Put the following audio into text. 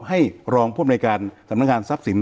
ให้รองพรวมรายการสำนักงานทรัพย์สิน